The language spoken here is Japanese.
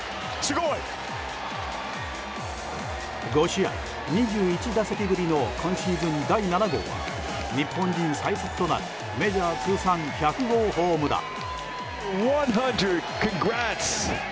５試合２１打席ぶりの今シーズン第７号は日本人最速となるメジャー通算１００号ホームラン。